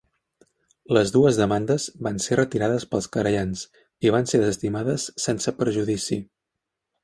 Les dues demandes van ser retirades pels querellants i van ser desestimades sense prejudici.